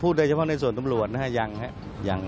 พูดโดยเฉพาะในส่วนตำรวจนะฮะยัง